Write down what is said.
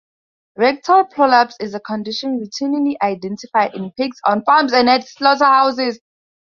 Rectal prolapse is a condition routinely identified in pigs on farms and at slaughterhouses.